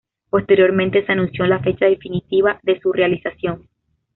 Posteriormente se anunció la fecha definitiva de su realización.